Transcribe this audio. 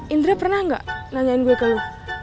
indra pernah nggak nanyain gue ke lu